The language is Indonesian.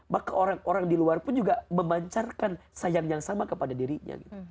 maka orang orang di luar pun juga memancarkan sayang yang sama kepada dirinya